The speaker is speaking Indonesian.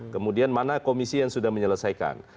kemudian mana komisi yang sudah menyelesaikan